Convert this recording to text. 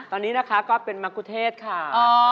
ตอนนี้นะคะก็เป็นมะกุเทศค่ะ